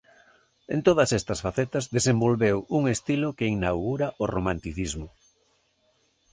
En todas estas facetas desenvolveu un estilo que inaugura o Romanticismo.